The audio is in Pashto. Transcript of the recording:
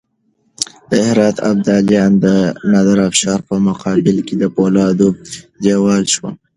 د هرات ابدالیان د نادرافشار په مقابل کې د فولادو دېوال شول.